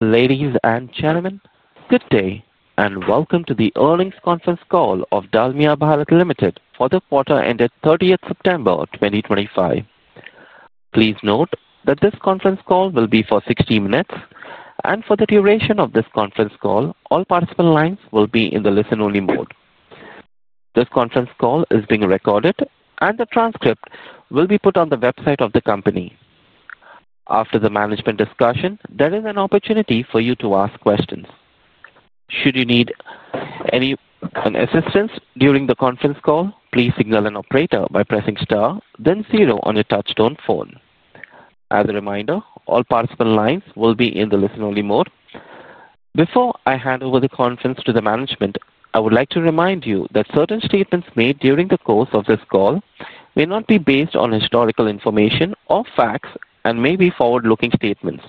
Ladies and gentlemen, good day and welcome to the earnings conference call of Dalmia Bharat Limited for the quarter ended 30th September 2025. Please note that this conference call will be for 60 minutes, and for the duration of this conference call, all participant lines will be in the listen-only mode. This conference call is being recorded, and the transcript will be put on the website of the company. After the management discussion, there is an opportunity for you to ask questions. Should you need any assistance during the conference call, please signal an operator by pressing star, then zero on your touchtone phone. As a reminder, all participant lines will be in the listen-only mode. Before I hand over the conference to the management, I would like to remind you that certain statements made during the course of this call may not be based on historical information or facts and may be forward-looking statements.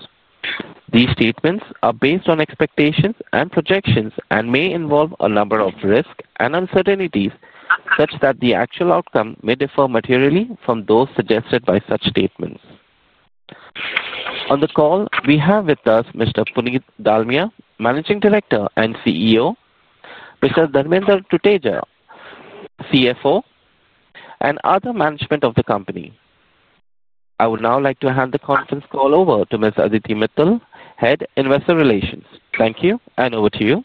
These statements are based on expectations and projections and may involve a number of risks and uncertainties such that the actual outcome may differ materially from those suggested by such statements. On the call, we have with us Mr. Puneet Dalmia, Managing Director and CEO, Mr. Dharmender Tuteja, CFO, and other management of the company. I would now like to hand the conference call over to Ms. Aditi Mittal, Head of Investor Relations. Thank you, and over to you.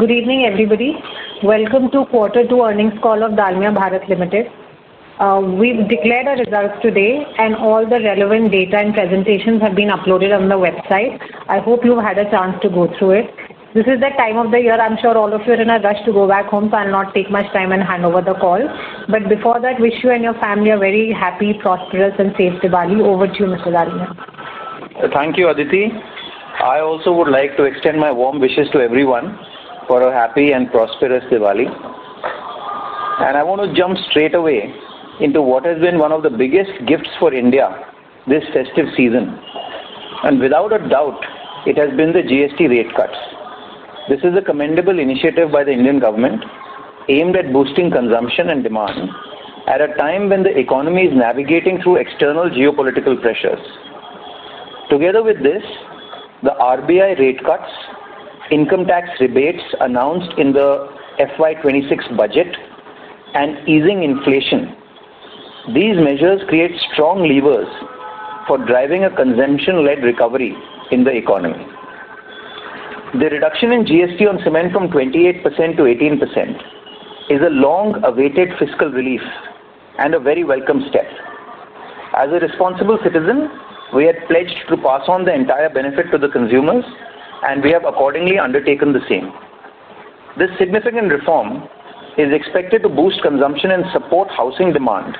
Good evening, everybody. Welcome to quarter two earnings call of Dalmia Bharat Limited. We've declared our results today, and all the relevant data and presentations have been uploaded on the website. I hope you've had a chance to go through it. This is the time of the year. I'm sure all of you are in a rush to go back home, so I'll not take much time and hand over the call. Before that, wish you and your family a very happy, prosperous, and safe Diwali. Over to you, Mr. Dalmia. Thank you, Aditi. I also would like to extend my warm wishes to everyone for a happy and prosperous Diwali. I want to jump straight away into what has been one of the biggest gifts for India this festive season. Without a doubt, it has been the GST rate cuts. This is a commendable initiative by the Indian government aimed at boosting consumption and demand at a time when the economy is navigating through external geopolitical pressures. Together with this, the RBI rate cuts, income tax rebates announced in the FY 2026 budget, and easing inflation, these measures create strong levers for driving a consumption-led recovery in the economy. The reduction in GST on cement from 28% to 18% is a long-awaited fiscal relief and a very welcome step. As a responsible citizen, we had pledged to pass on the entire benefit to the consumers, and we have accordingly undertaken the same. This significant reform is expected to boost consumption and support housing demand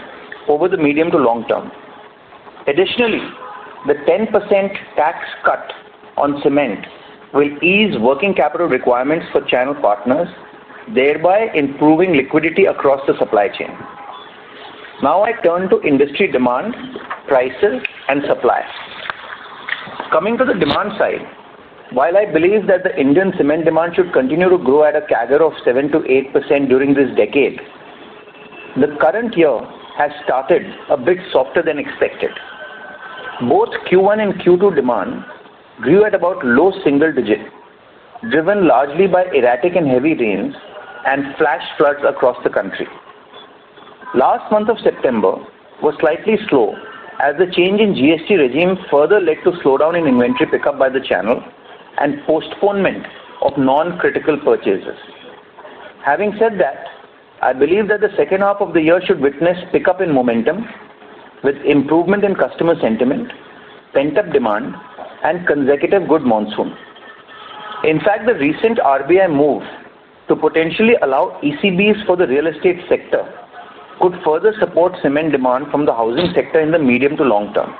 over the medium to long term. Additionally, the 10% tax cut on cement will ease working capital requirements for channel partners, thereby improving liquidity across the supply chain. Now I turn to industry demand, prices, and supplies. Coming to the demand side, while I believe that the Indian cement demand should continue to grow at a CAGR of 7%-8% during this decade, the current year has started a bit softer than expected. Both Q1 and Q2 demand grew at about low single digit, driven largely by erratic and heavy rains and flash floods across the country. The last month of September was slightly slow as the change in GST regime further led to slowdown in inventory pickup by the channel and postponement of non-critical purchases. Having said that, I believe that the second half of the year should witness pickup in momentum with improvement in customer sentiment, pent-up demand, and consecutive good monsoon. In fact, the recent RBI move to potentially allow ECBs for the real estate sector could further support cement demand from the housing sector in the medium to long term.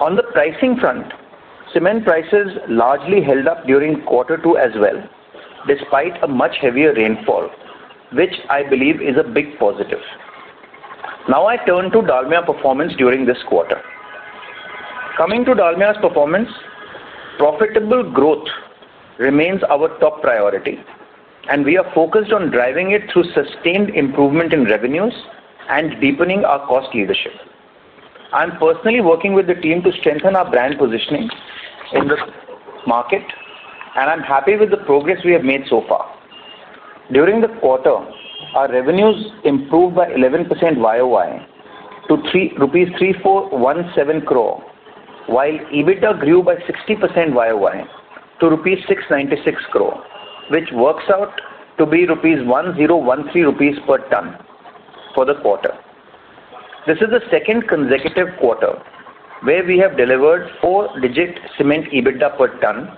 On the pricing front, cement prices largely held up during Q2 as well, despite a much heavier rainfall, which I believe is a big positive. Now I turn to Dalmia Bharat Limited performance during this quarter. Coming to Dalmia Bharat Limited's performance, profitable growth remains our top priority, and we are focused on driving it through sustained improvement in revenues and deepening our cost leadership. I'm personally working with the team to strengthen our brand positioning in the market, and I'm happy with the progress we have made so far. During the quarter, our revenues improved by 11% YoY to rupees 3,417 crore, while EBITDA grew by 60% YoY to rupees 696 crore, which works out to be 1,013 rupees per tonne for the quarter. This is the second consecutive quarter where we have delivered four-digit cement EBITDA per tonne,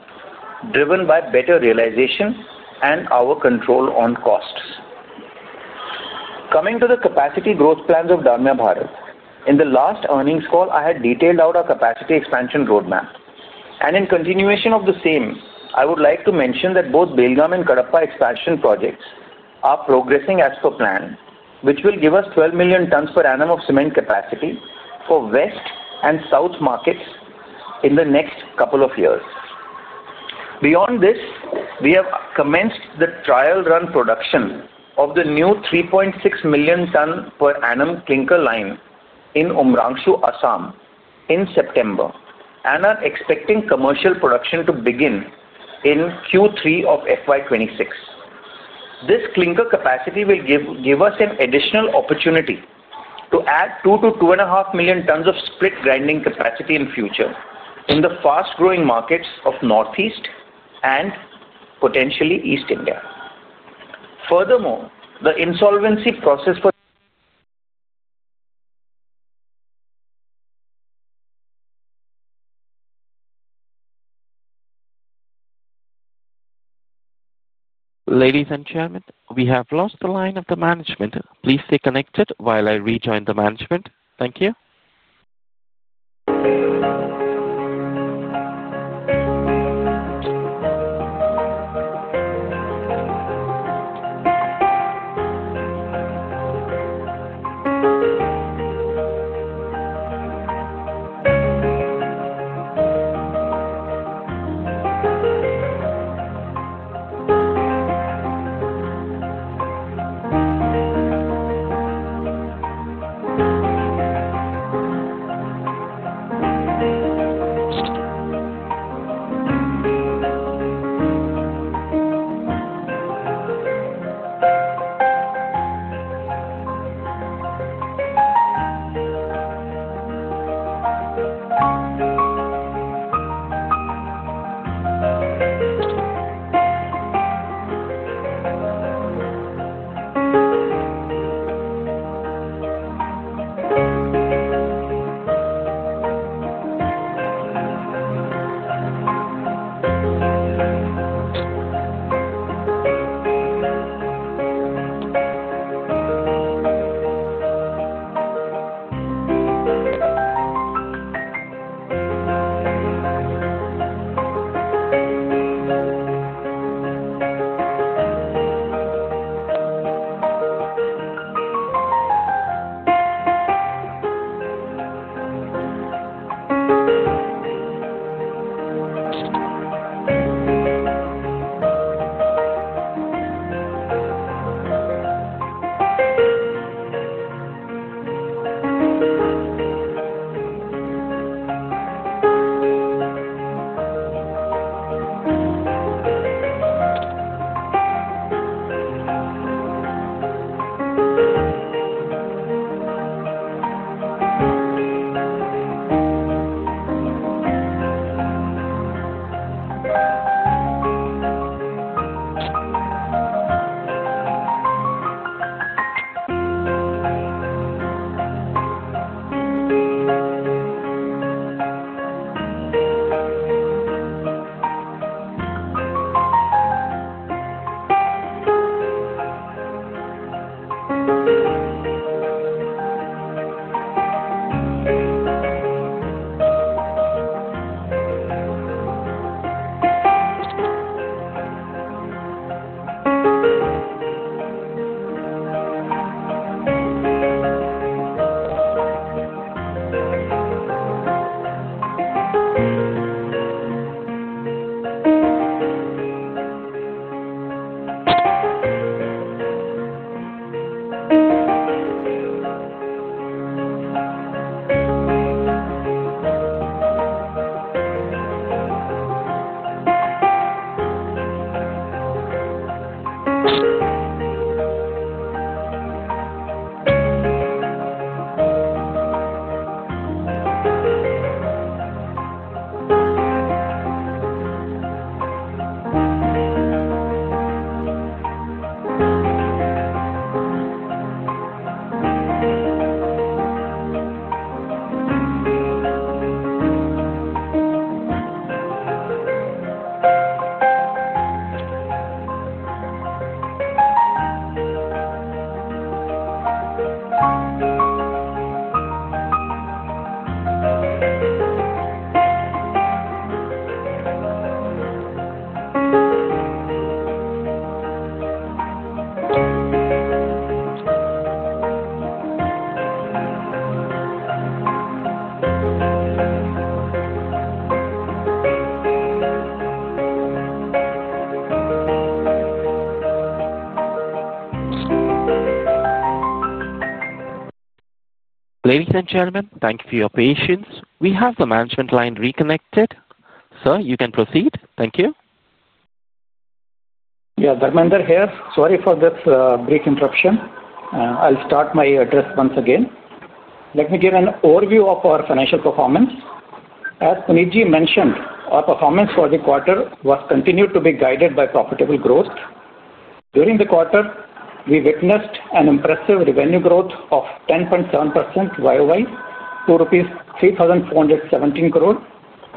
driven by better realization and our control on costs. Coming to the capacity growth plans of Dalmia Bharat Limited, in the last earnings call, I had detailed out our capacity expansion roadmap. In continuation of the same, I would like to mention that both Belgaum and Kadapa expansion projects are progressing as per plan, which will give us 12 million tonnes per annum of cement capacity for West and South markets in the next couple of years. Beyond this, we have commenced the trial run production of the new 3.6 million tonnes per annum clinker line in Umrangso, Assam, in September and are expecting commercial production to begin in Q3 of FY2026. This clinker capacity will give us an additional opportunity to add 2 million-2.5 million tonnes of split grinding capacity in the future in the fast-growing markets of Northeast and potentially East India. Furthermore, the insolvency process for... Ladies and gentlemen, we have lost the line of the management. Please stay connected while I rejoin the management. Thank you. Ladies and gentlemen, thank you for your patience. We have the management line reconnected, sir, you can proceed. Thank you. Yeah, Dharmender here. Sorry for this brief interruption. I'll start my address once again. Let me give an overview of our financial performance. As Puneet ji mentioned, our performance for the quarter continues to be guided by profitable growth. During the quarter, we witnessed an impressive revenue growth of 10.7% YoY to 3,417 crore,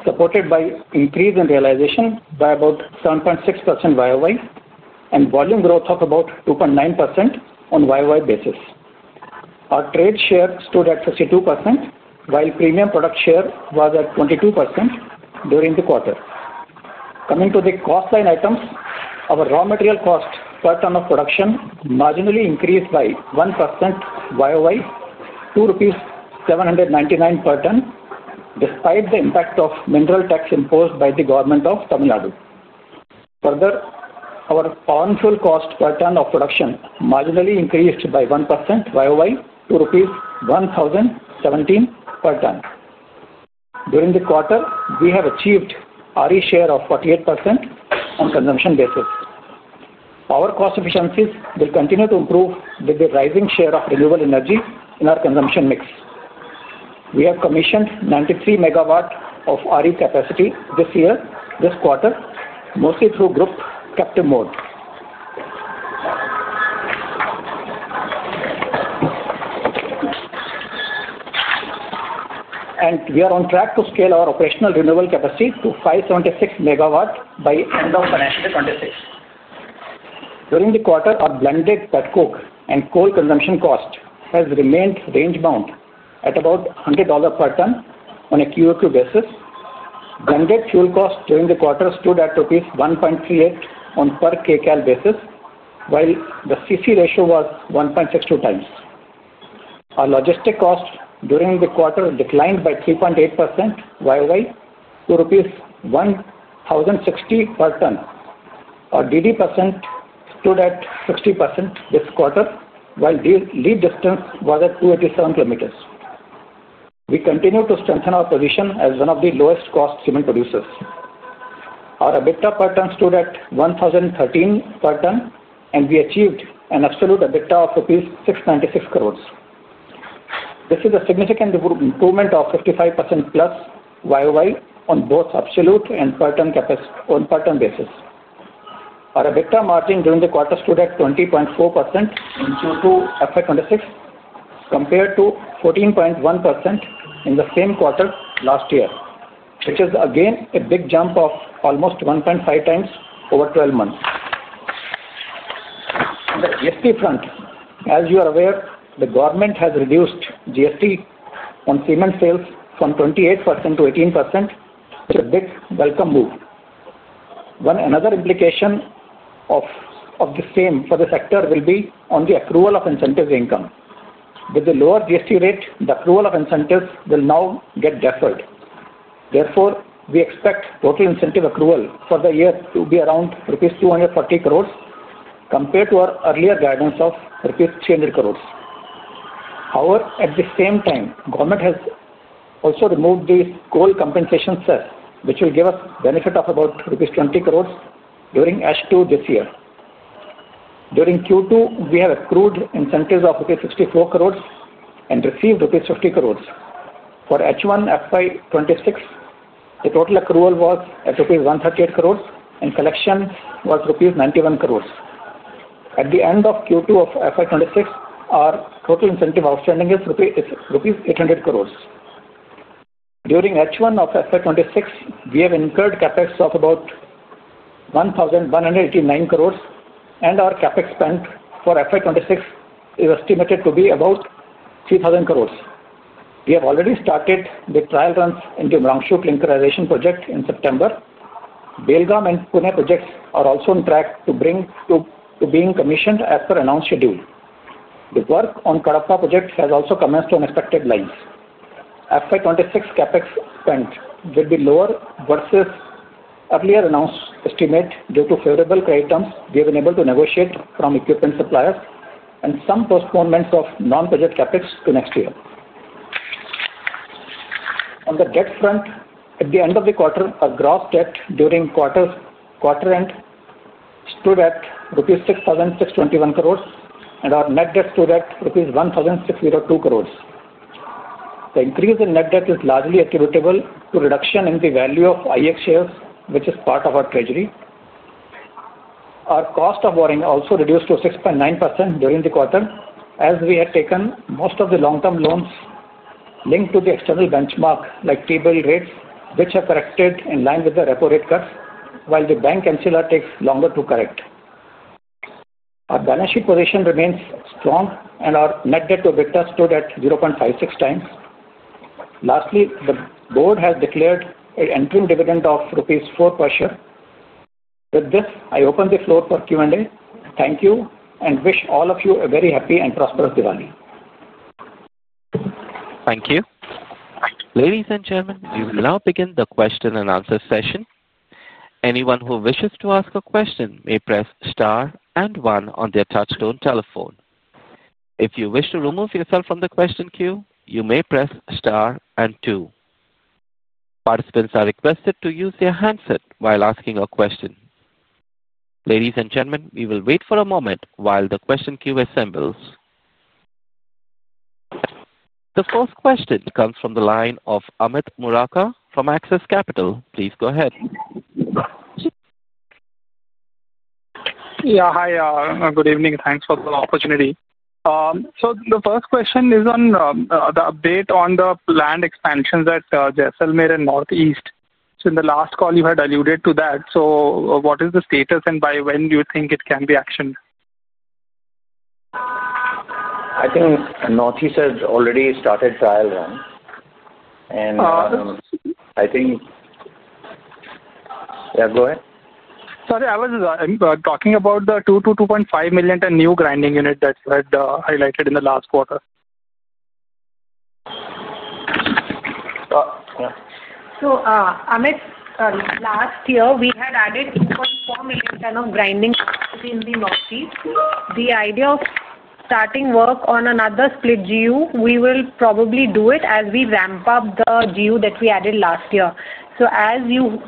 supported by an increase in realization by about 7.6% YoY and volume growth of about 2.9% on a YoY basis. Our trade share stood at 52%, while premium product share was at 22% during the quarter. Coming to the cost line items, our raw material cost per tonne of production marginally increased by 1% YoY to 799 per tonne, despite the impact of mineral tax imposed by the government of Tamil Nadu. Further, our on-fuel cost per tonne of production marginally increased by 1% YoY to 1,017 per tonne. During the quarter, we have achieved an RE share of 48% on a consumption basis. Our cost efficiencies will continue to improve with the rising share of renewable energy in our consumption mix. We have commissioned 93 MW of renewable energy capacity this year, this quarter, mostly through group captive mode. We are on track to scale our operational renewable capacity to 576 MW by the end of financial year 2026. During the quarter, our blended petcoke and coal consumption cost has remained range-bound at about $100 per tonne on a QoQ basis. Blended fuel cost during the quarter stood at rupees 1.38 on a per Kcal basis, while the CC ratio was 1.62 times. Our logistics cost during the quarter declined by 3.8% YoY to rupees 1,060 per tonne. Our DD percent stood at 60% this quarter, while the lead distance was at 287 kilometers. We continue to strengthen our position as one of the lowest-cost cement producers. Our EBITDA per tonne stood at 1,013 per tonne, and we achieved an absolute EBITDA of rupees 696 crore. This is a significant improvement of 55% plus YoY on both absolute and per tonne basis. Our EBITDA margin during the quarter stood at 20.4% in Q2 FY 2026 compared to 14.1% in the same quarter last year, which is again a big jump of almost 1.5 times over 12 months. On the GST front, as you are aware, the government has reduced GST on cement sales from 28% to 18%, which is a big welcome move. Another implication of the same for the sector will be on the accrual of incentive income. With the lower GST rate, the accrual of incentives will now get deferred. Therefore, we expect total incentive accrual for the year to be around rupees 240 crore compared to our earlier guidance of rupees 300 crore. However, at the same time, the government has also removed the coal compensation set, which will give us a benefit of about rupees 20 crore during H2 this year. During Q2, we have accrued incentives of rupees 64 crore and received rupees 50 crore. For H1 FY 2026, the total accrual was at rupees 138 crore, and collection was rupees 91 crore. At the end of Q2 of FY 2026, our total incentive outstanding is rupees 800 crore. During H1 of FY 2026, we have incurred CapEx of about 1,189 crore, and our CapEx spend for FY 2026 is estimated to be about 3,000 crore. We have already started the trial runs in the Umrangso clinker line in September. Belgaum and Pune projects are also on track to be commissioned as per announced schedule. The work on Kadapa project has also commenced on expected lines. FY 2026 CapEx spend will be lower versus earlier announced estimate due to favorable credit terms we have been able to negotiate from equipment suppliers and some postponements of non-project CapEx to next year. On the debt front, at the end of the quarter, our gross debt during quarter end stood at INR 6,621 crore, and our net debt stood at rupees 1,602 crore. The increase in net debt is largely attributable to a reduction in the value of IEX shares, which is part of our treasury. Our cost of borrowing also reduced to 6.9% during the quarter, as we had taken most of the long-term loans linked to the external benchmark like pre-build rates, which have corrected in line with the repo rate cuts, while the bank and sealer takes longer to correct. Our balance sheet position remains strong, and our net debt to EBITDA stood at 0.56x. Lastly, the board has declared an interim dividend of rupees 4 per share. With this, I open the floor for Q&A. Thank you and wish all of you a very happy and prosperous Diwali. Thank you. Ladies and gentlemen, we will now begin the question-and-answer session. Anyone who wishes to ask a question may press star and one on their touchstone telephone. If you wish to remove yourself from the question queue, you may press star and two. Participants are requested to use their handset while asking a question. Ladies and gentlemen, we will wait for a moment while the question queue assembles. The first question comes from the line of Amit Murarka from Axis Capital. Please go ahead. Yeah, hi. Good evening. Thanks for the opportunity. The first question is on the update on the planned expansion at Jaisalmer in Northeast. In the last call, you had alluded to that. What is the status and by when do you think it can be actioned? I think Northeast has already started trial run. I think, yeah, go ahead. Sorry, I was talking about the 2-2.5 million tonnes new grinding unit that I highlighted in the last quarter. Yeah. Amit, last year, we had added 2.4 million tonnes of grinding capacity in the Northeast. The idea of starting work on another split GU, we will probably do it as we ramp up the GU that we added last year. As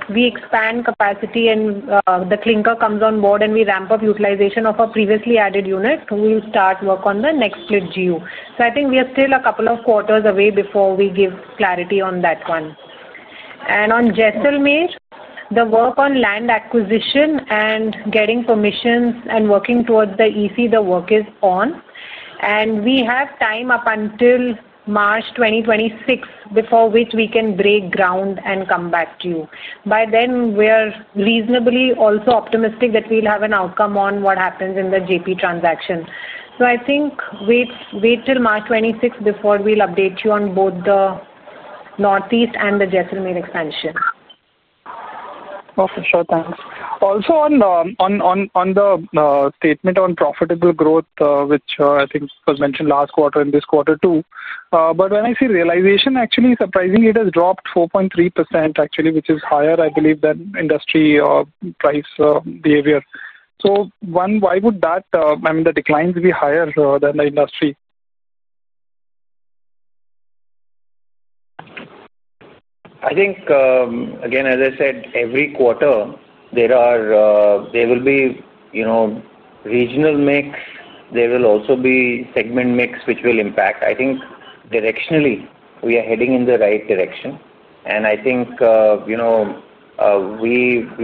we expand capacity and the clinker comes on board and we ramp up utilization of our previously added unit, we will start work on the next split GU. I think we are still a couple of quarters away before we give clarity on that one. On Jaisalmer, the work on land acquisition and getting permissions and working towards the EC, the work is on. We have time up until March 2026 before which we can break ground and come back to you. By then, we are reasonably also optimistic that we'll have an outcome on what happens in the JP transaction. Wait till March 2026 before we'll update you on both the Northeast and the Jaisalmer expansion. Oh, for sure. Thanks. Also, on the statement on profitable growth, which I think was mentioned last quarter and this quarter too. When I see realization, actually, surprisingly, it has dropped 4.3%, actually, which is higher, I believe, than industry price behavior. Why would that, I mean, the declines be higher than the industry? I think, again, as I said, every quarter, there will be a regional mix. There will also be segment mix, which will impact. I think directionally, we are heading in the right direction. We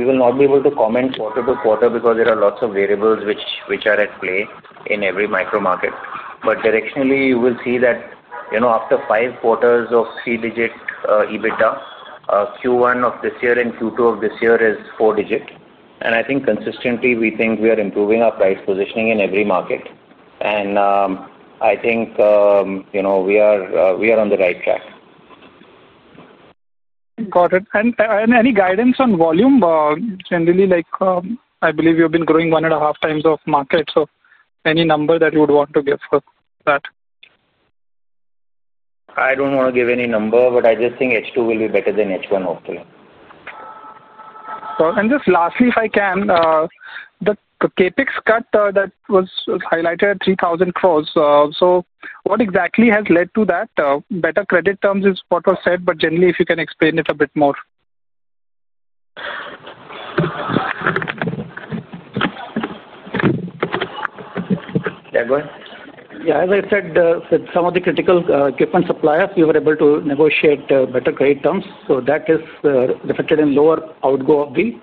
will not be able to comment quarter to quarter because there are lots of variables which are at play in every micro market. Directionally, you will see that after five quarters of three-digit EBITDA, Q1 of this year and Q2 of this year is four-digit. I think consistently, we think we are improving our price positioning in every market. I think we are on the right track. Got it. Any guidance on volume? Generally, I believe you have been growing one and a half times of market. Any number that you would want to give for that? I don't want to give any number, but I just think H2 will be better than H1, hopefully. Lastly, if I can, the CapEx cut that was highlighted at 3,000 crore. What exactly has led to that? Better credit terms is what was said, but generally, if you can explain it a bit more. Yeah, go ahead. Yeah, as I said, some of the critical equipment suppliers, we were able to negotiate better credit terms. That is reflected in lower outgoing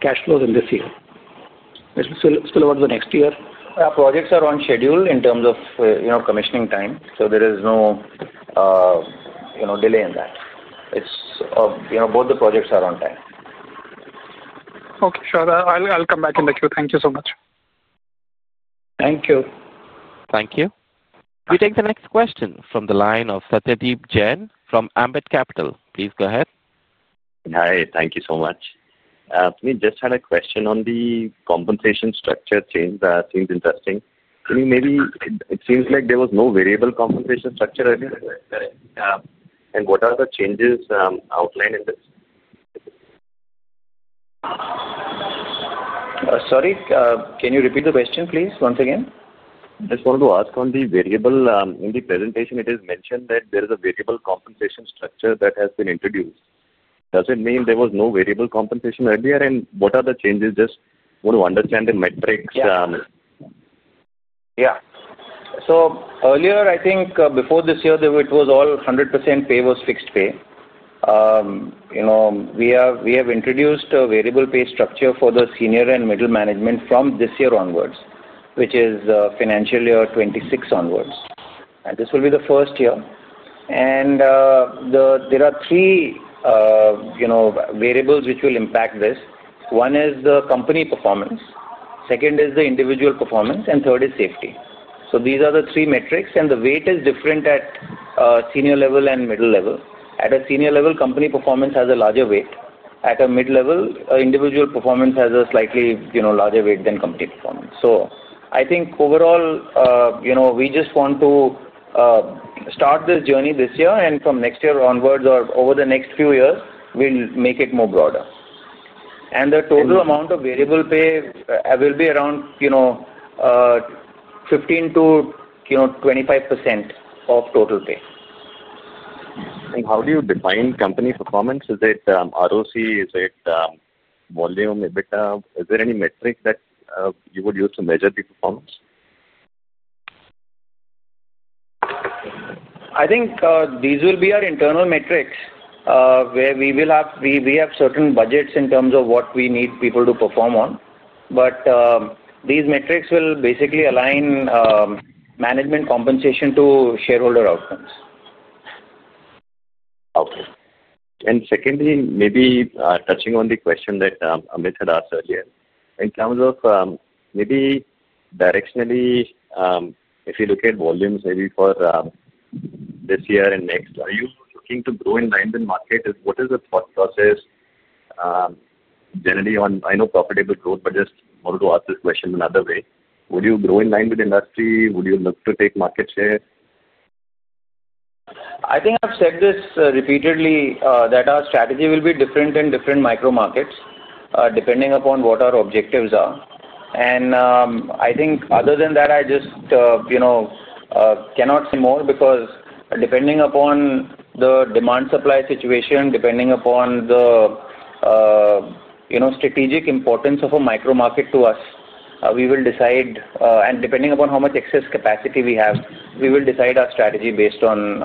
cash flows in this year. It's still about the next year. Our projects are on schedule in terms of commissioning time. There is no delay in that. Both the projects are on time. Okay, sure. I'll come back in the queue. Thank you so much. Thank you. Thank you. We take the next question from the line of Satyadeep Jain from Ambit Capital. Please go ahead. Hi, thank you so much. We just had a question on the compensation structure change. That seems interesting. Can you maybe, it seems like there was no variable compensation structure, I think. What are the changes outlined in this? Sorry, can you repeat the question, please, once again? I just wanted to ask on the variable. In the presentation, it is mentioned that there is a variable compensation structure that has been introduced. Does it mean there was no variable compensation earlier? What are the changes? Just want to understand the metrics. Yeah. Earlier, I think before this year, it was all 100% pay was fixed pay. We have introduced a variable pay structure for the senior and middle management from this year onwards, which is financial year 2026 onwards. This will be the first year. There are three variables which will impact this. One is the company performance. Second is the individual performance. Third is safety. These are the three metrics, and the weight is different at senior level and middle level. At a senior level, company performance has a larger weight. At a mid-level, individual performance has a slightly larger weight than company performance. Overall, we just want to start this journey this year. From next year onwards or over the next few years, we'll make it more broader. The total amount of variable pay will be around 15%-25% of total pay. How do you define company performance? Is it ROC? Is it volume? Is there any metric that you would use to measure the performance? I think these will be our internal metrics where we will have certain budgets in terms of what we need people to perform on. These metrics will basically align management compensation to shareholder outcomes. Okay. Secondly, maybe touching on the question that Amit had asked earlier, in terms of maybe directionally, if you look at volumes maybe for this year and next, are you looking to grow in line with market? What is the thought process generally on, I know, profitable growth, but just wanted to ask this question another way. Would you grow in line with industry? Would you look to take market share? I think I've said this repeatedly that our strategy will be different in different micro markets depending upon what our objectives are. Other than that, I just cannot say more because depending upon the demand-supply situation, depending upon the strategic importance of a micro market to us, we will decide. Depending upon how much excess capacity we have, we will decide our strategy based on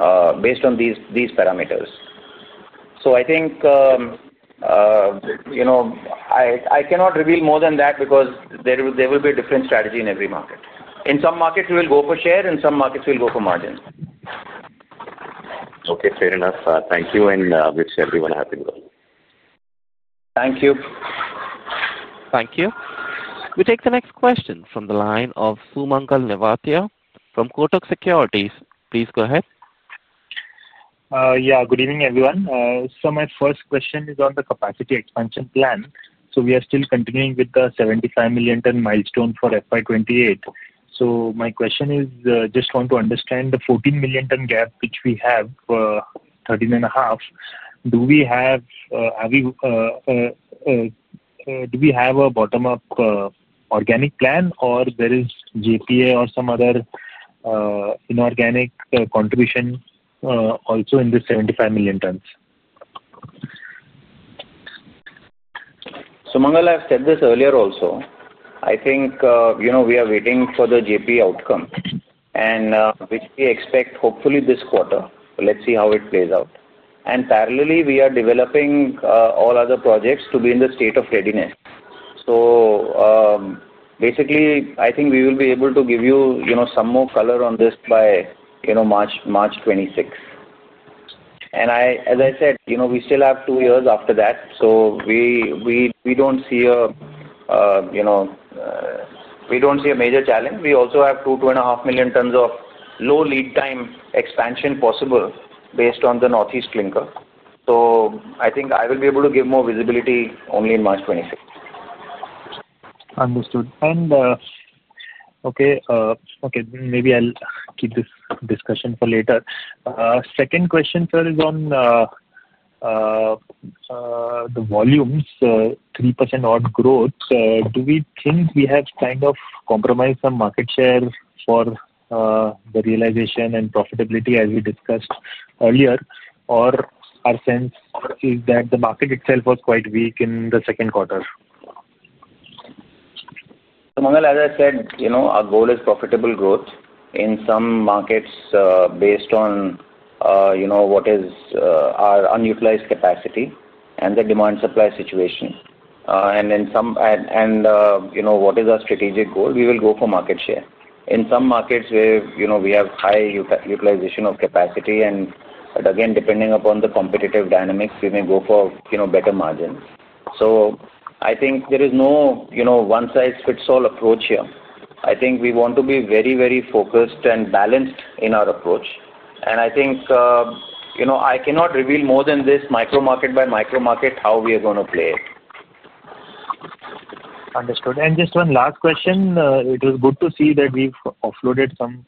these parameters. I cannot reveal more than that because there will be a different strategy in every market. In some markets, we will go for share. In some markets, we'll go for margins. Okay, fair enough. Thank you. I wish everyone a happy Diwali. Thank you. Thank you. We take the next question from the line of Sumangal Nevatia from Kotak Securities. Please go ahead. Yeah, good evening, everyone. My first question is on the capacity expansion plan. We are still continuing with the 75 million tonnes milestone for FY 2028. My question is, I just want to understand the 14 million tonnes gap which we have for 13.5. Do we have a bottom-up organic plan, or is there JPA or some other inorganic contribution also in the 75 million tonnes? Sumangal, I've said this earlier also. I think we are waiting for the JP outcome, which we expect hopefully this quarter. Let's see how it plays out. Parallely, we are developing all other projects to be in the state of readiness. Basically, I think we will be able to give you some more color on this by March 2026. As I said, we still have two years after that. We don't see a major challenge. We also have 2-2.5 million tonnes of low lead time expansion possible based on the Northeast clinker. I think I will be able to give more visibility only in March 2026. Understood. Okay, maybe I'll keep this discussion for later. Second question, sir, is on the volumes, 3% odd growth. Do we think we have kind of compromised some market share for the realization and profitability as we discussed earlier, or our sense is that the market itself was quite weak in the second quarter? Sumangal, as I said, our goal is profitable growth in some markets based on what is our unutilized capacity and the demand-supply situation. In some, and what is our strategic goal, we will go for market share. In some markets where we have high utilization of capacity, and again, depending upon the competitive dynamics, we may go for better margins. There is no one-size-fits-all approach here. We want to be very, very focused and balanced in our approach. I cannot reveal more than this, micro market by micro market, how we are going to play it. Understood. Just one last question. It was good to see that we've offloaded some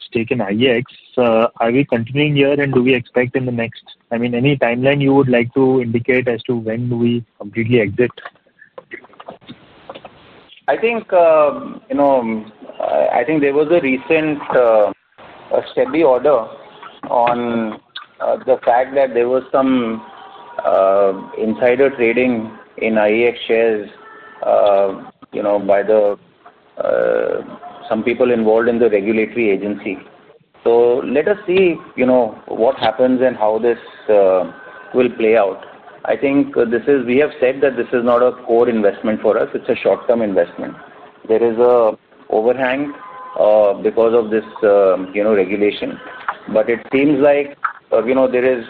stake in IEX. Are we continuing here, and do we expect in the next, I mean, any timeline you would like to indicate as to when we completely exit? I think there was a recent steady order on the fact that there was some insider trading in IEX shares by some people involved in the regulatory agency. Let us see what happens and how this will play out. I think this is, we have said that this is not a core investment for us. It's a short-term investment. There is an overhang because of this regulation. It seems like there is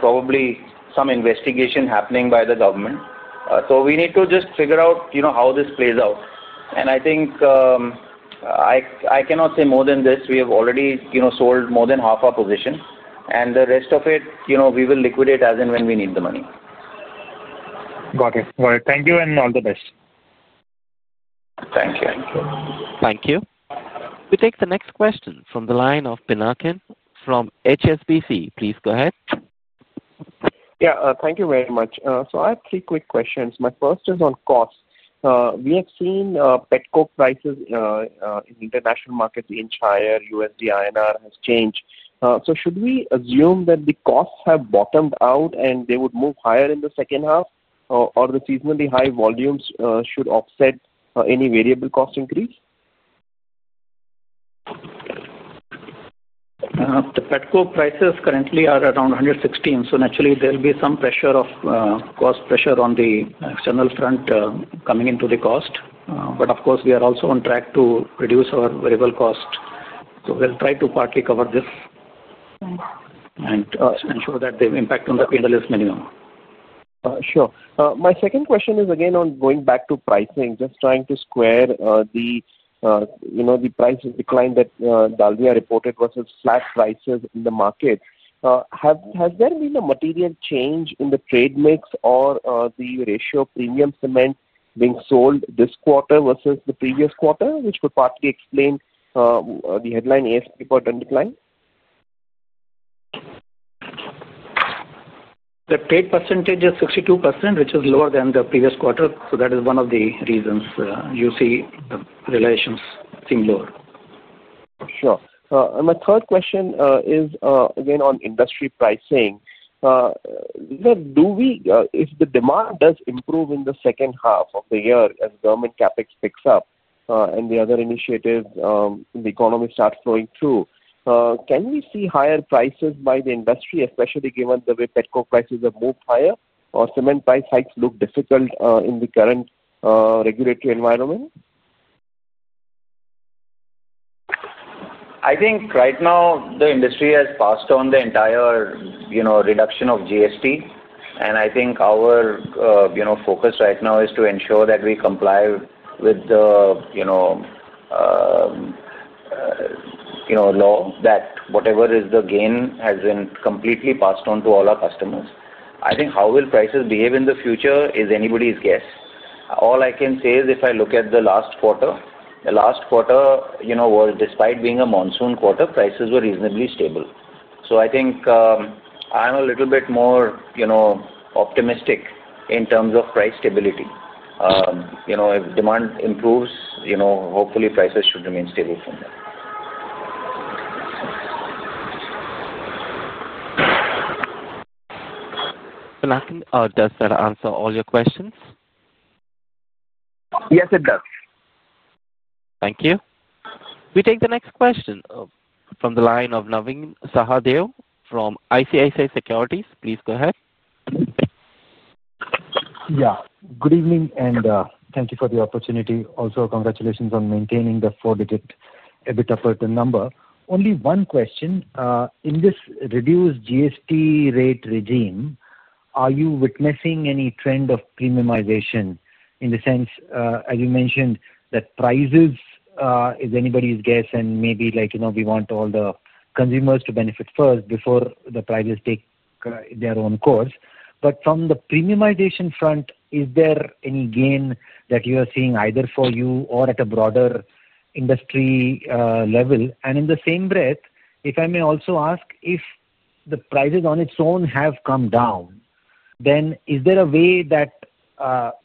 probably some investigation happening by the government. We need to just figure out how this plays out. I think I cannot say more than this. We have already sold more than half our position, and the rest of it we will liquidate as and when we need the money. Got it. Got it. Thank you and all the best. Thank you. Thank you. Thank you. We take the next question from the line of Pinakin from HSBC. Please go ahead. Thank you very much. I have three quick questions. My first is on cost. We have seen petcoke prices in international markets inch higher. USD/INR has changed. Should we assume that the costs have bottomed out and they would move higher in the second half, or the seasonally high volumes should offset any variable cost increase? The petcoke prices currently are around 116. Naturally, there will be some cost pressure on the external front coming into the cost. Of course, we are also on track to reduce our variable cost. We'll try to partly cover this and ensure that the impact on the candle is minimal. Sure. My second question is, again, on going back to pricing, just trying to square the, you know, the price decline that Dalmia Bharat reported versus flat prices in the market. Has there been a material change in the trade mix or the ratio of premium cement being sold this quarter versus the previous quarter, which could partly explain the headline ASP per tonne decline? The trade percentage is 62%, which is lower than the previous quarter. That is one of the reasons you see the relations seem lower. Sure. My third question is, again, on industry pricing. Do we, if the demand does improve in the second half of the year as government CapEx picks up and the other initiatives, the economy starts flowing through, can we see higher prices by the industry, especially given the way petcoke prices have moved higher, or cement price hikes look difficult in the current regulatory environment? I think right now the industry has passed on the entire reduction of GST. I think our focus right now is to ensure that we comply with the law, that whatever is the gain has been completely passed on to all our customers. I think how prices will behave in the future is anybody's guess. All I can say is if I look at the last quarter, the last quarter, despite being a monsoon quarter, prices were reasonably stable. I think I'm a little bit more optimistic in terms of price stability. If demand improves, hopefully prices should remain stable from there. Pinakin, does that answer all your questions? Yes, it does. Thank you. We take the next question from the line of Naveen Sahadev from ICICI Securities. Please go ahead. Yeah. Good evening, and thank you for the opportunity. Also, congratulations on maintaining the four-digit EBITDA per tonne number. Only one question. In this reduced GST rate regime, are you witnessing any trend of premiumization in the sense, as you mentioned, that prices is anybody's guess and maybe, like, you know, we want all the consumers to benefit first before the prices take their own course? From the premiumization front, is there any gain that you are seeing either for you or at a broader industry level? In the same breath, if I may also ask, if the prices on its own have come down, then is there a way that,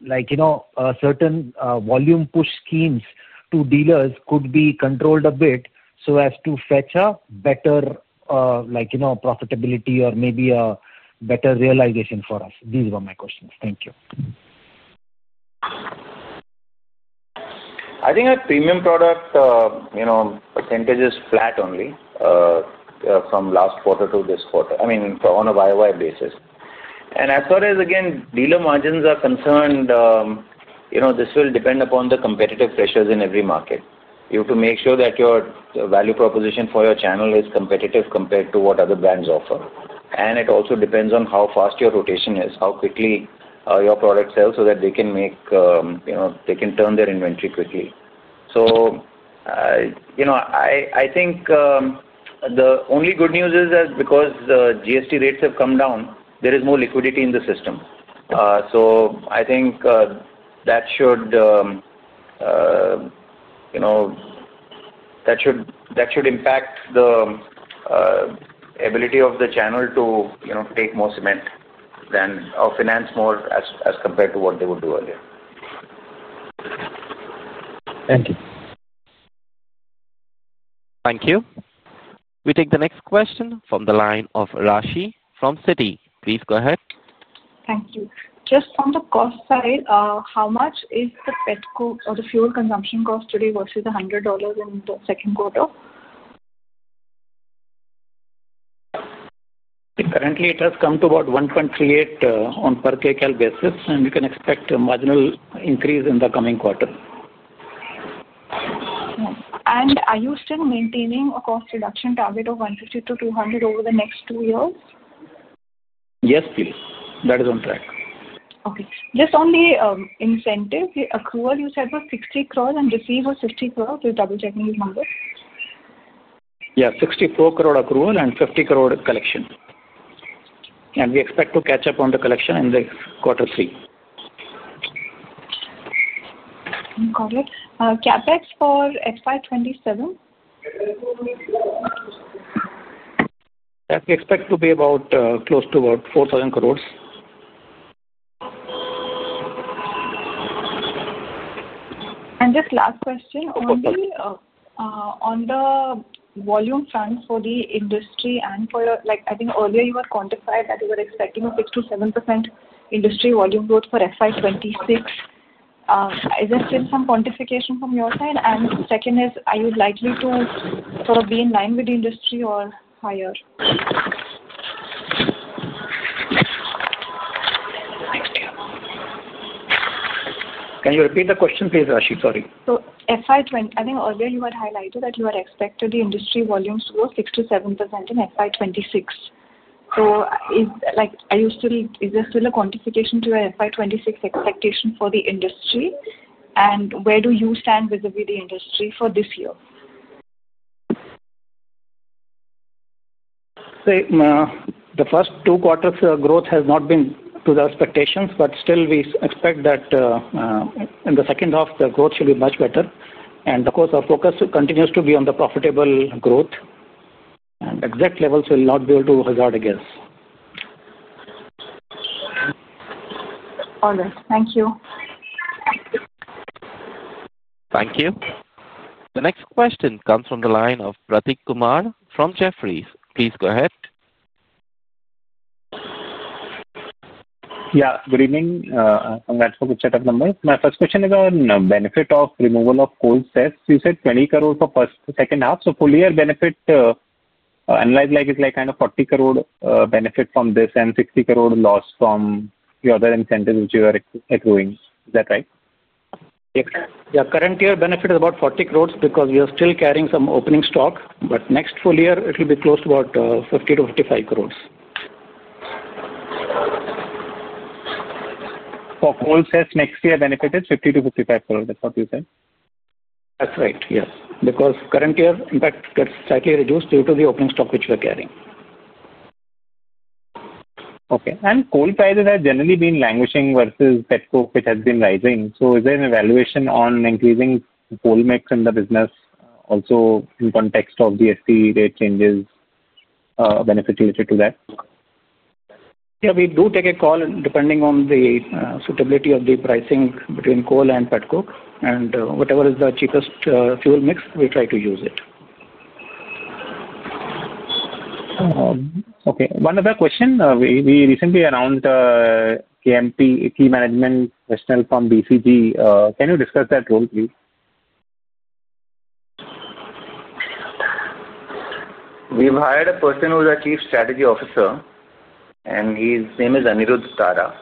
like, you know, certain volume push schemes to dealers could be controlled a bit so as to fetch a better, like, you know, profitability or maybe a better realization for us? These were my questions. Thank you. I think our premium product percentage is flat only from last quarter to this quarter, I mean, on a YoY basis. As far as, again, dealer margins are concerned, this will depend upon the competitive pressures in every market. You have to make sure that your value proposition for your channel is competitive compared to what other brands offer. It also depends on how fast your rotation is, how quickly your product sells so that they can turn their inventory quickly. I think the only good news is that because the GST rates have come down, there is more liquidity in the system. I think that should impact the ability of the channel to take more cement or finance more as compared to what they would do earlier. Thank you. Thank you. We take the next question from the line of Raashi from Citi. Please go ahead. Thank you. Just on the cost side, how much is the petcoke or the fuel consumption cost today versus the $100 in the second quarter? Currently, it has come to about 1.38 on per Kcal basis, and we can expect a marginal increase in the coming quarter. Are you still maintaining a cost reduction target of 150-200 over the next two years? Yes, please. That is on track. Okay. Just only incentive, the accrual, you said was 60 crore and receivables 50 crore. Do you double-check me these numbers? Yeah, 64 crore accrual and 50 crore collection. We expect to catch up on the collection in quarter three. Got it. CapEx for FY 2027? That we expect to be close to about 4,000 crore. Just last question, only on the volume front for the industry and for the, I think earlier you had quantified that you were expecting a 6%-7% industry volume growth for FY 2026. Is there still some quantification from your side? Second is, are you likely to sort of be in line with the industry or higher? Can you repeat the question, please, Raashi? Sorry. For FY 2026, I think earlier you had highlighted that you had expected the industry volumes to go 6%-7% in FY 2026. Is there still a quantification to your FY 2026 expectation for the industry? Where do you stand vis-à-vis the industry for this year? The first two quarters, growth has not been to the expectations, but still we expect that in the second half, the growth should be much better. Our focus continues to be on the profitable growth. Exact levels will not be able to hazard a guess. Got it. Thank you. Thank you. The next question comes from the line of Prateek Kumar from Jefferies. Please go ahead. Yeah, good evening. Congrats for the set of numbers. My first question is on the benefit of removal of cold sets. You said 20 crore for the second half. For the year, benefit, analyzed like it's like kind of 40 crore benefit from this and 60 crore loss from the other incentives which you are accruing. Is that right? Yes. Yeah, current year, benefit is about 40 crore because we are still carrying some opening stock. Next full year, it will be close to about 50 crore to 55 crore. For cold sets, next year benefit is 50 crore to 55 crore. That's what you said? That's right. Yes, because current year, in fact, gets slightly reduced due to the opening stock which we are carrying. Okay. Coal prices have generally been languishing versus petcoke, which has been rising. Is there an evaluation on increasing coal mix in the business also in context of the FT rate changes, benefit related to that? Yeah, we do take a call depending on the suitability of the pricing between coal and petcoke. Whatever is the cheapest fuel mix, we try to use it. Okay. One other question. We recently announced a Key Management Personnel from BCG. Can you discuss that role, please? We've hired a person who is our Chief Strategy Officer, and his name is Anirudh Tara.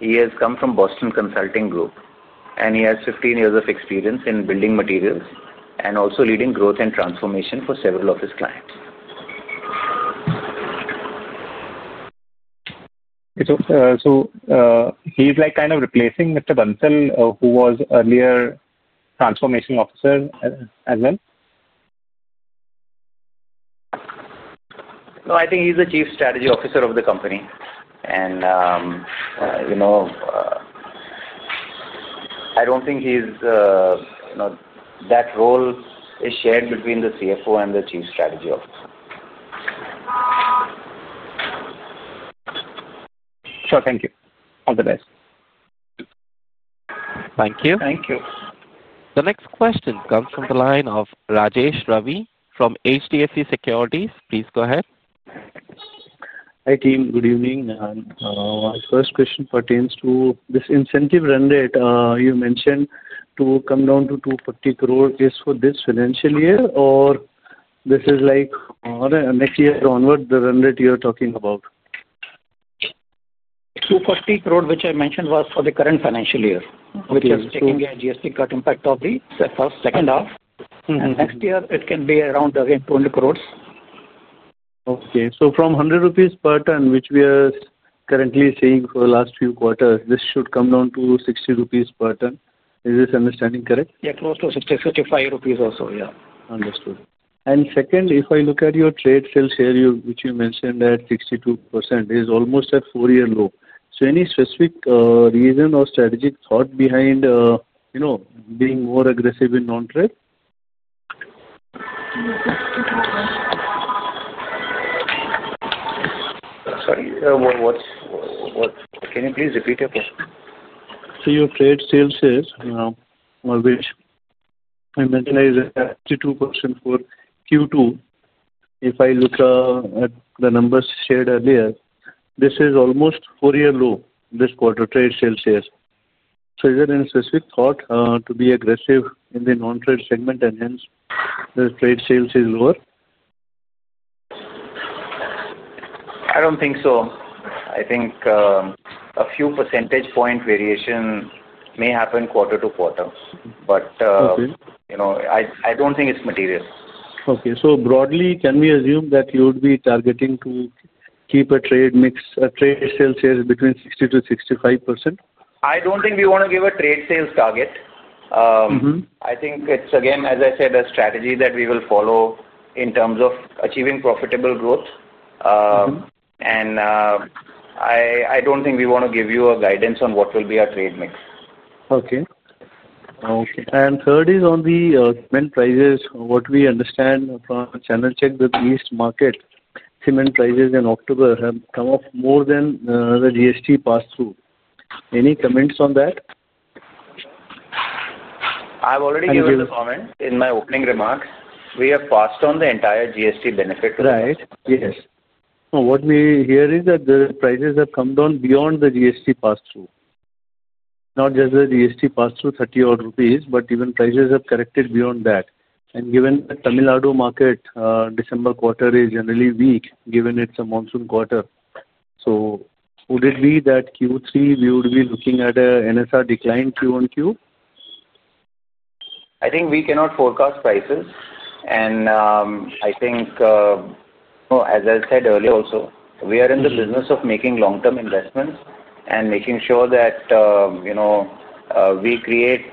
He has come from Boston Consulting Group, and he has 15 years of experience in building materials and also leading growth and transformation for several of his clients. Okay. He's kind of replacing Mr. Bansal, who was earlier a Transformation Officer as well? I think he's the Chief Strategy Officer of the company. I don't think that role is shared between the CFO and the Chief Strategy Officer. Sure. Thank you. All the best. Thank you. Thank you. The next question comes from the line of Rajesh Ravi from HDFC Securities. Please go ahead. Hi, team. Good evening. My first question pertains to this incentive run rate. You mentioned to come down to 240 crore. Is this for this financial year, or is this like next year onward, the run rate you're talking about? 240 crore, which I mentioned, was for the current financial year, which is taking a GST cut impact of the first second half. Next year, it can be around, again, 20 crore. Okay. From ₹100 per ton, which we are currently seeing for the last few quarters, this should come down to 60 rupees per ton. Is this understanding correct? Yeah, close to 60.00 rupees, 65.00 or so. Yeah. Understood. If I look at your trade sales share, which you mentioned at 62%, it is almost at a four-year low. Is there any specific reason or strategic thought behind being more aggressive in non-trade? Sorry, what? Can you please repeat your question? Your trade sales share, which I mentioned, is at 62% for Q2. If I look at the numbers shared earlier, this is almost a four-year low this quarter for trade sales share. Is there any specific thought to be aggressive in the non-trade segment and hence the trade sales is lower? I don't think so. I think a few percentage point variation may happen quarter to quarter, but you know, I don't think it's material. Okay. Broadly, can we assume that you would be targeting to keep a trade mix, a trade sales share between 60%-65%? I don't think we want to give a trade sales target. I think it's, again, as I said, a strategy that we will follow in terms of achieving profitable growth. I don't think we want to give you a guidance on what will be our trade mix. Okay. Okay. Third is on the cement prices. What we understand from ChannelCheck, the East market cement prices in October have come up more than the GST pass-through. Any comments on that? I've already given you the comment in my opening remarks. We have passed on the entire GST benefit to the market. Right. Yes. What we hear is that the prices have come down beyond the GST pass-through, not just the GST pass-through, 30-odd rupees, but even prices have corrected beyond that. Given the Tamil Nadu market, December quarter is generally weak given it's a monsoon quarter. Would it be that Q3 we would be looking at an NSR decline Q1Q? I think we cannot forecast prices. I think, as I said earlier also, we are in the business of making long-term investments and making sure that we create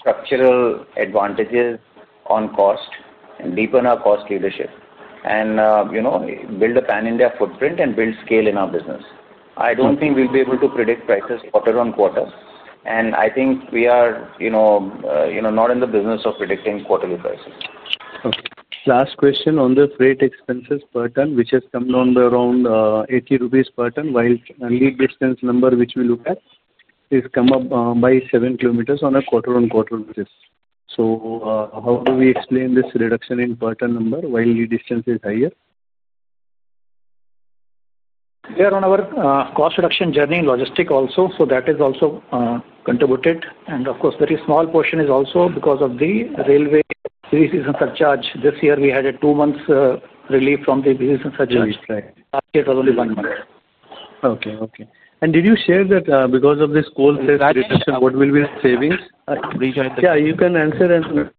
structural advantages on cost and deepen our cost leadership, build a Pan India footprint, and build scale in our business. I don't think we'll be able to predict prices quarter-on-quarter. I think we are not in the business of predicting quarterly prices. Okay. Last question on the freight expenses per ton, which has come down to around 80 rupees per ton, while the distance number, which we look at, has come up by 7 Km on a quarter-on-quarter basis. How do we explain this reduction in per ton number while the distance is higher? We are on our cost reduction journey in logistics also. That has also contributed. Of course, a very small portion is also because of the railway business and such charge. This year, we had a two-month relief from the business and such charge. Last year was only one month. Okay. Did you share that because of this coal sales reduction, what will be the savings? Yeah, you can answer and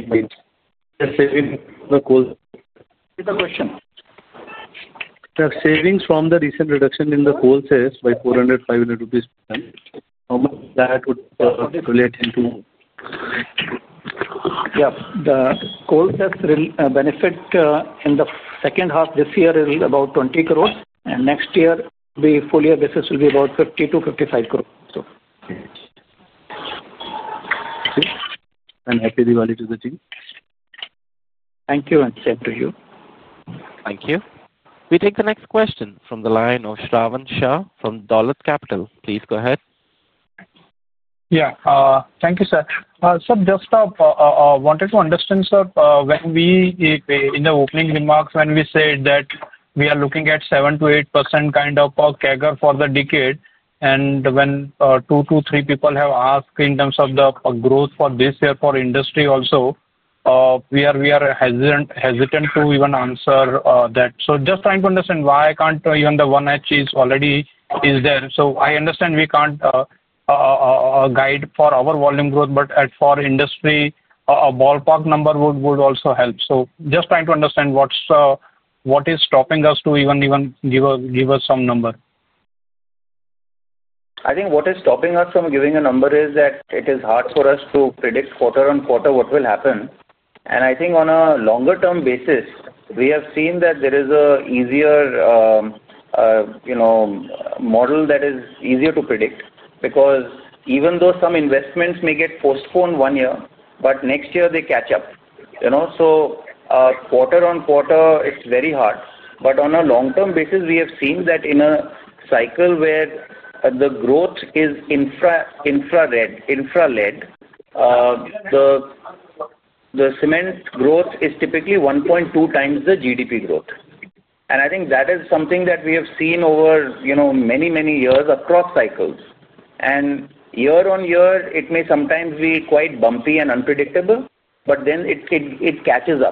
just say the coal. Here's the question. The savings from the recent reduction in the coal sales by 400, 500 rupees per ton, how much that would relate into? Yep. The coal sales benefit in the second half this year is about 20 crore. Next year, on a full-year basis, it will be about 50 crore to 55 crore. Okay, and happy Diwali to the team. Thank you, and same to you. Thank you. We take the next question from the line of Shravan Shah from Dolat Capital. Please go ahead. Thank you, sir. Just wanted to understand, sir, when we in the opening remarks, when we said that we are looking at 7%-8% kind of CAGR for the decade, and when two to three people have asked in terms of the growth for this year for industry also, we are hesitant to even answer that. Just trying to understand why I can't even the 1H is already there. I understand we can't guide for our volume growth, but for industry, a ballpark number would also help. Just trying to understand what is stopping us to even give us some number. I think what is stopping us from giving a number is that it is hard for us to predict quarter on quarter what will happen. I think on a longer-term basis, we have seen that there is an easier model that is easier to predict because even though some investments may get postponed one year, next year they catch up. Quarter-on-quarter, it's very hard. On a long-term basis, we have seen that in a cycle where the growth is infra-led, the cement growth is typically 1.2x the GDP growth. I think that is something that we have seen over many, many years across cycles. Year on year, it may sometimes be quite bumpy and unpredictable, but then it catches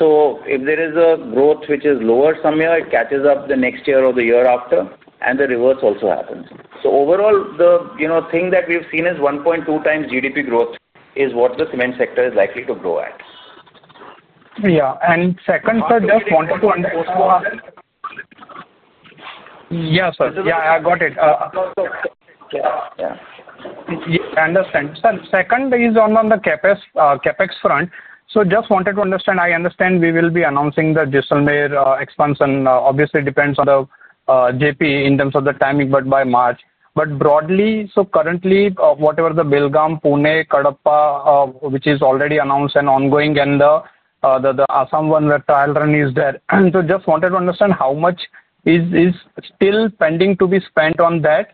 up. If there is a growth which is lower somewhere, it catches up the next year or the year after, and the reverse also happens. Overall, the thing that we've seen is 1.2x GDP growth is what the cement sector is likely to grow at. Yeah, second, sir, just wanted to understand. Yeah, sir. Yeah, I got it. Yeah. Yeah. I understand. Sir, second is on the CapEx front. I understand we will be announcing the Jaisalmer expansion. Obviously, it depends on the JP in terms of the timing, by March. Broadly, currently, whatever the Belgaum, Pune, Kadapa, which is already announced and ongoing, and the Assam one where trial run is there. I just wanted to understand how much is still pending to be spent on that.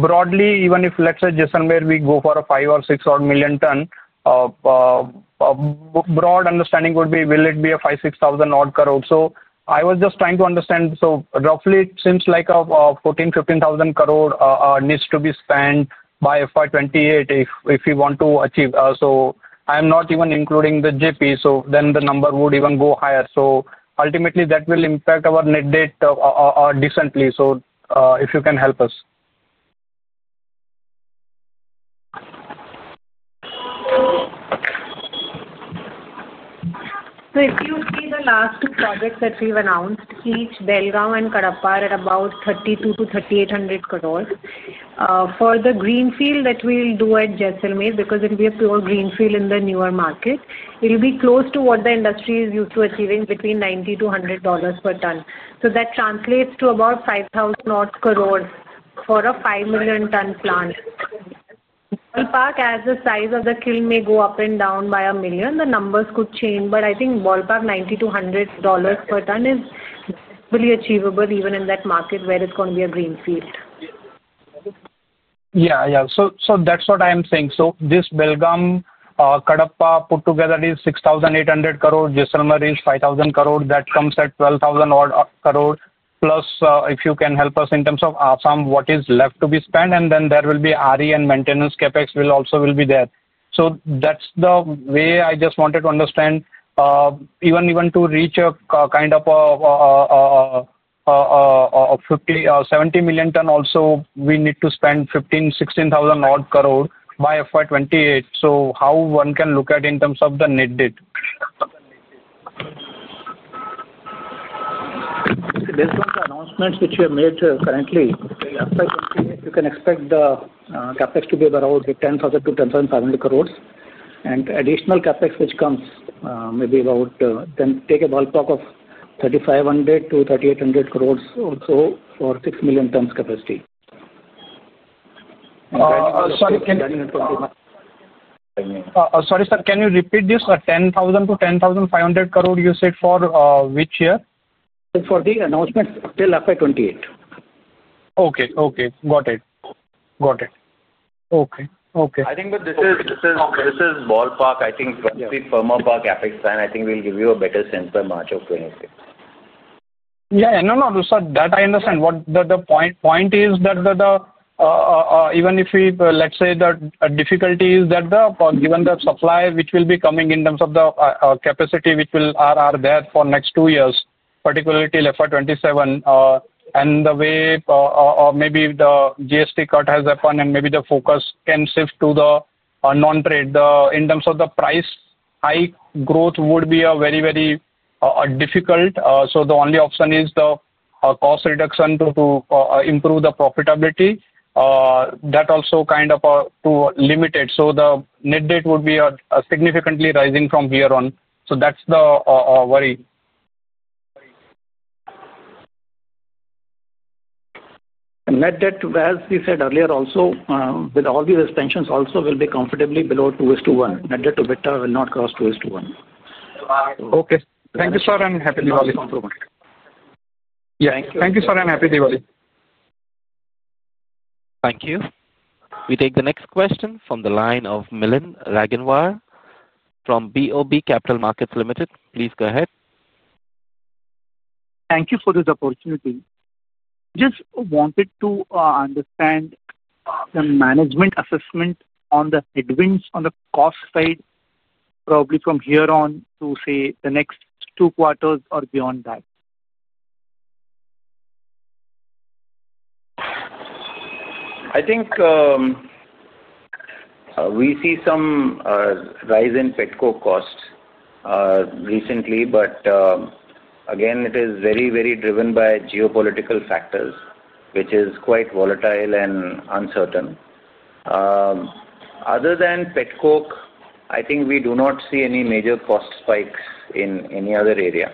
Broadly, even if, let's say, Jaisalmer we go for a 5 or 6 odd million ton, a broad understanding would be, will it be a 5,000 crore, 6,000 odd crore? I was just trying to understand. Roughly, it seems like a 14,000 crore, 15,000 crore needs to be spent by FY 2028 if you want to achieve. I'm not even including the JP. The number would even go higher. Ultimately, that will impact our net debt decently. If you can help us. If you see the last two projects that we've announced, each Belgaum and Kadapa are at about 3,200 crore to 3,800 crores. For the greenfield that we'll do at Jaisalmer, because it'll be a pure greenfield in the newer market, it'll be close to what the industry is used to achieving between $90-$100 per ton. That translates to about 5,000 odd crores for a 5 million ton plant. Ballpark as the size of the kiln may go up and down by a million, the numbers could change. I think ballpark $90-$100 per ton is really achievable even in that market where it's going to be a greenfield. Yeah, yeah. That's what I'm saying. This Belgaum, Kadapa put together is 6,800 crore. Jaisalmer is 5,000 crore. That comes at 12,000 odd crore. Plus, if you can help us in terms of Assam, what is left to be spent? There will be RE and maintenance CapEx also. That's the way I just wanted to understand. Even to reach a kind of a 50, 70 million ton, also we need to spend 15,000 crore, 16,000 odd crore by FY 2028. How can one look at in terms of the net debt? Based on the announcements which you have made currently, you can expect the CapEx to be about 10,000 to 10,500 crore. Additional CapEx which comes maybe about, take a ballpark of 3,500 crore to 3,800 crore also for 6 million tons capacity. Sorry, sir, can you repeat this? 10,000 crore to 10,500 crore, you said for which year? For the announcement till FY 2028. Okay. Got it. Okay. I think that this is ballpark. I think once we firm up our CapEx plan, I think we'll give you a better sense by March of 2022. Yeah, yeah. No, no, sir, that I understand. The point is that even if we, let's say, the difficulty is that given the supply which will be coming in terms of the capacity which will be there for the next two years, particularly till FY 2027, and the way or maybe the GST cut has happened and maybe the focus can shift to the non-trade, in terms of the price, high growth would be very, very difficult. The only option is the cost reduction to improve the profitability. That also kind of too limited. The net debt would be significantly rising from here on. That's the worry. Net debt, as we said earlier, also with all these expansions, also will be comfortably below 2:1. Net debt to EBITDA will not cross 2:1. Okay. Thank you, sir, and happy Diwali. Thank you. We take the next question from the line of Milind Raginwar from BOB Capital Markets Limited. Please go ahead. Thank you for this opportunity. Just wanted to understand the management assessment on the headwinds on the cost side, probably from here on to say the next two quarters or beyond that. I think we see some rise in petcoke costs recently, but again, it is very, very driven by geopolitical factors, which is quite volatile and uncertain. Other than petcoke, I think we do not see any major cost spikes in any other area.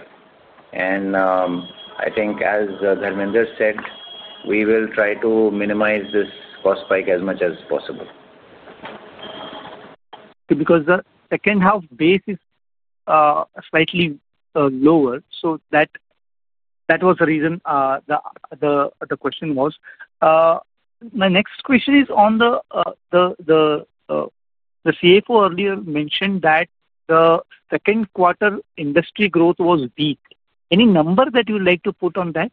I think, as Dharmender just said, we will try to minimize this cost spike as much as possible. Because the second half base is slightly lower, that was the reason the question was. My next question is on the CFO earlier mentioned that the second quarter industry growth was weak. Any number that you would like to put on that?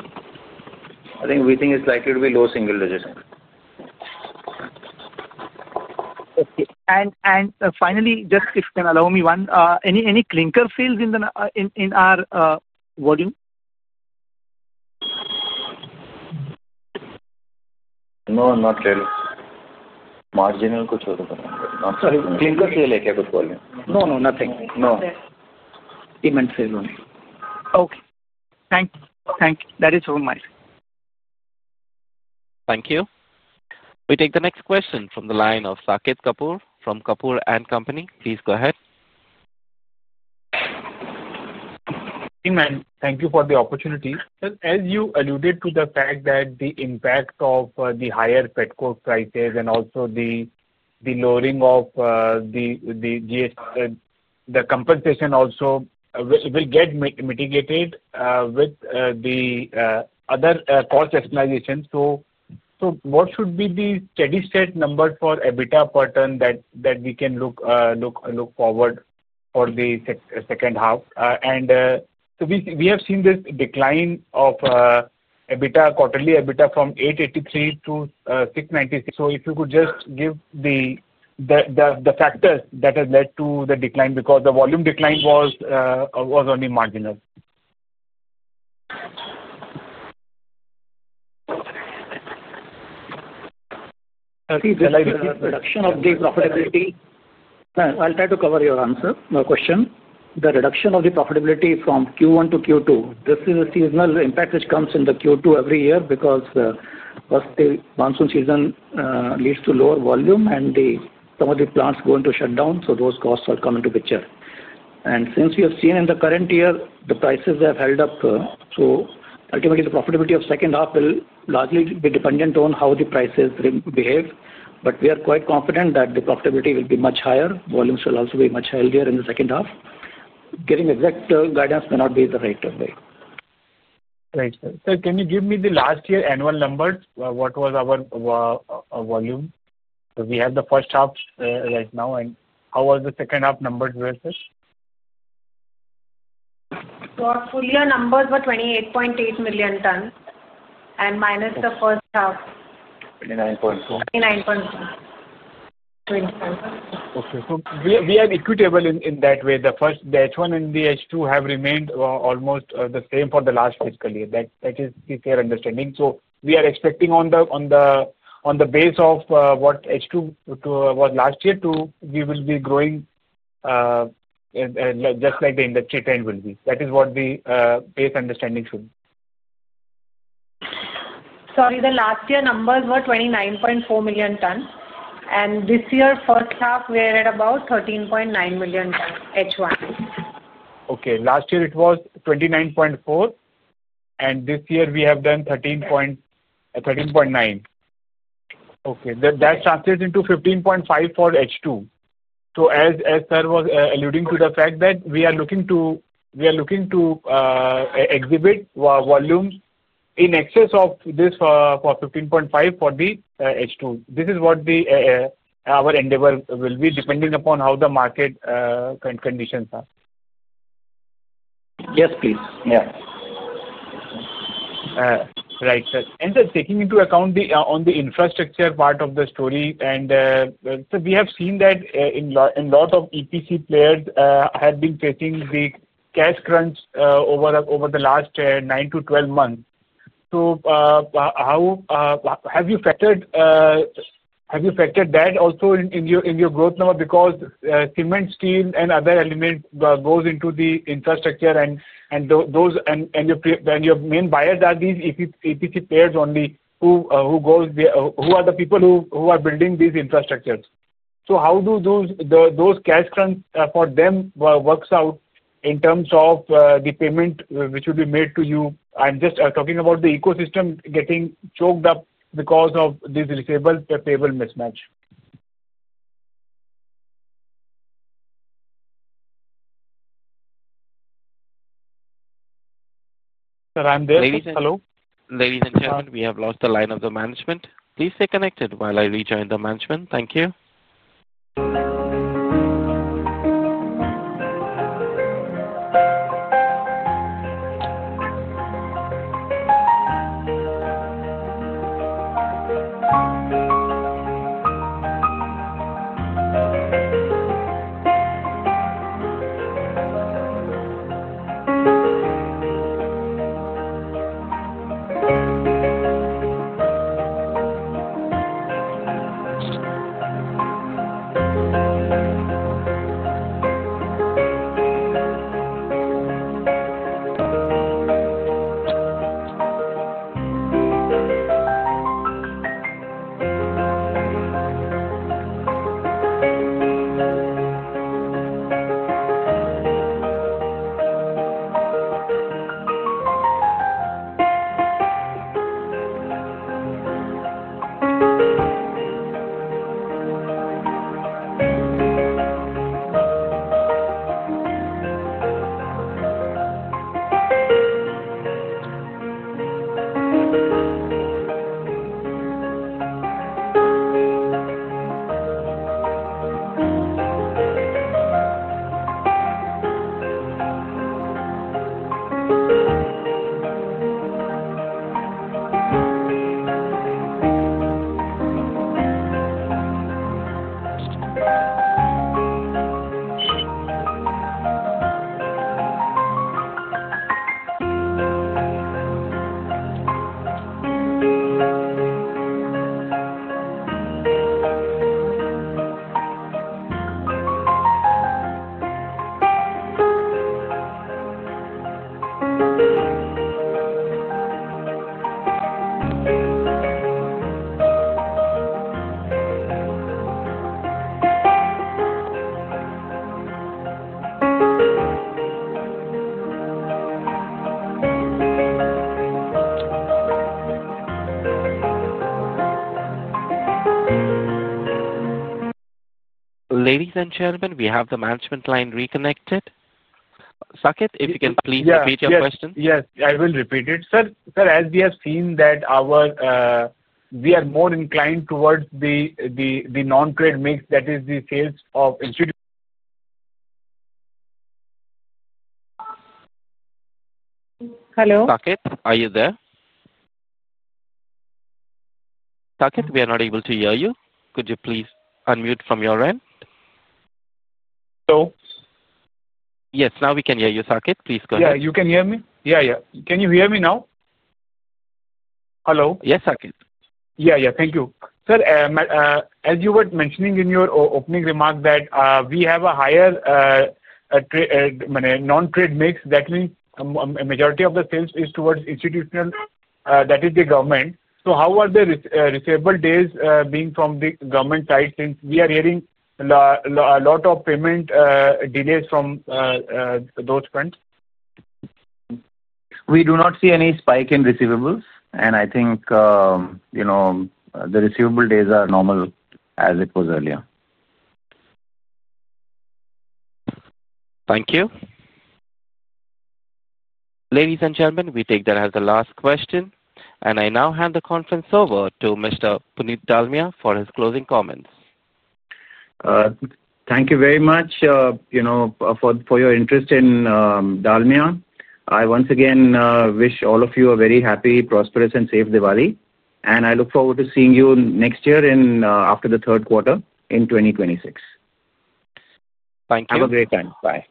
I think we think it's likely to be low single digits. Okay. Finally, just if you can allow me one, any clinker sales in our volume? No, not really. Marginal clinker sale, I can't put volume. No, nothing. No. Cement sales only. Okay. Thank you. Thank you. That is all my side. Thank you. We take the next question from the line of Saket Kapoor from Kapoor&Company. Please go ahead. Thank you, ma'am. Thank you for the opportunity. As you alluded to the fact that the impact of the higher petcoke prices and also the lowering of the GST, the compensation also will get mitigated with the other cost estimations. What should be the steady-state number for EBITDA per ton that we can look forward for the second half? We have seen this decline of EBITDA, quarterly EBITDA from 883 to 696. If you could just give the factors that have led to the decline because the volume decline was only marginal. I'll try to cover your answer, my question. The reduction of the profitability from Q1 to Q2 is a seasonal impact which comes in Q2 every year because the monsoon season leads to lower volume, and some of the plants go into shutdown. Those costs come into the picture. Since we have seen in the current year the prices have held up, ultimately, the profitability of the second half will largely be dependent on how the prices behave. We are quite confident that the profitability will be much higher. Volumes will also be much higher there in the second half. Getting exact guidance may not be the right way. Right, sir. Can you give me the last year annual numbers? What was our volume? We have the first half right now. How was the second half numbers versus? Our full-year numbers were 28.8 million tons minus the first half. 29.2. 29.2. Okay. We are equitable in that way. The H1 and the H2 have remained almost the same for the last fiscal year. That is the clear understanding. We are expecting on the base of what H2 was last year, we will be growing just like the industry trend will be. That is what the base understanding should be. Sorry, the last year numbers were 29.4 million tons. This year, first half, we're at about 13.9 million tons, H1. Okay. Last year, it was 29.4 million tons. This year, we have done 13.9 million tons. That translates into 15.5 milllion tons for H2. As Sir was alluding to the fact that we are looking to exhibit volumes in excess of this 15.5 million tons for the H2, this is what our endeavor will be depending upon how the market conditions are. Yes, please. Yeah. Right, sir. Taking into account the infrastructure part of the story, we have seen that a lot of EPC players have been facing the cash crunch over the last 9-12 months. How have you factored that also in your growth number? Cement, steel, and other elements go into the infrastructure, and your main buyers are these EPC players only. Who goes there? Who are the people who are building these infrastructures? How do those cash crunches for them work out in terms of the payment which will be made to you? I'm just talking about the ecosystem getting choked up because of this residual payable mismatch. Sir, I'm there. Ladies and gentlemen, we have lost the line of the management. Please stay connected while I rejoin the management. Thank you. Ladies and gentlemen, we have the management line reconnected. Saket, if you can please repeat your question. Yes, I will repeat it. Sir, as we have seen that we are more inclined towards the non-trade mix, that is the sales of. Hello? Saket, are you there? Saket, we are not able to hear you. Could you please unmute from your end? Hello? Yes, now we can hear you, Saket. Please go ahead. Yeah, can you hear me? Yeah, yeah. Can you hear me now? Hello? Yes, Saket. Thank you. Sir, as you were mentioning in your opening remark that we have a higher non-trade mix, that means a majority of the sales is towards institutional, that is the government. How are the receivable days being from the government side since we are hearing a lot of payment delays from those funds? We do not see any spike in receivables. I think the receivable days are normal as it was earlier. Thank you. Ladies and gentlemen, we take that as the last question. I now hand the conference over to Mr. Puneet Dalmia for his closing comments. Thank you very much for your interest in Dalmia. I once again wish all of you a very happy, prosperous, and safe Diwali. I look forward to seeing you next year after the third quarter in 2026. Thank you. Have a great time. Bye.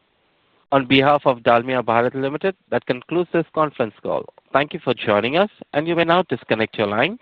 On behalf of Dalmia Bharat Limited, that concludes this conference call. Thank you for joining us, and you may now disconnect your line.